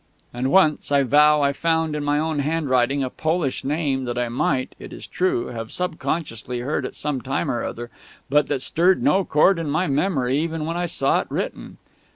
And once, I vow, I found, in my own handwriting, a Polish name, that I might (it is true) have subconsciously heard at some time or other, but that stirred no chord in my memory even when I saw it written.